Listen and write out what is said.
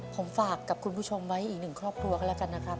ผมฝากกับคุณผู้ชมไว้อีกหนึ่งครอบครัวก็แล้วกันนะครับ